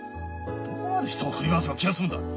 どこまで人を振り回せば気が済むんだ。